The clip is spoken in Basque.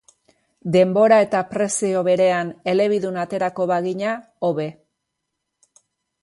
Denbora eta prezio berean elebidun aterako bagina, hobe.